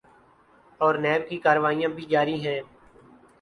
اورنیب کی کارروائیاں بھی جاری ہیں۔